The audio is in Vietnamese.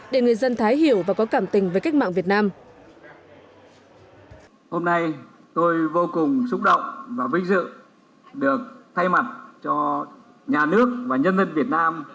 để người dân thái hiểu và có cảm tình với cách mạng việt nam